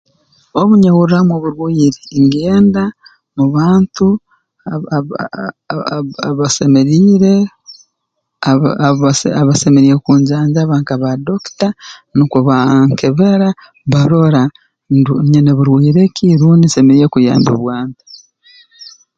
Obu nyehurraamu oburwaire ngenda mu bantu ab aba abasemeriire aba abas abasemeriire kunjanjaba nka ba dokita nukwo bankebera barora ndu nyine burwaire ki rundi nsemeriire kuyambibwa nta